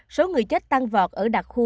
số người chết tăng vọt ở đặc khu